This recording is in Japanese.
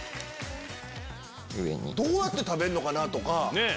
どうやって食べるのかなとか。ねぇ。